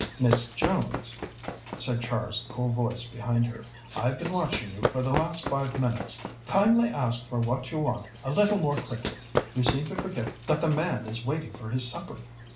"Miss Jones," said Char's cool voice behind her, "I've been watching you for the last five minutes. Kindly ask for what you want a little more quickly. You seem to forget that the man is waiting for his supper."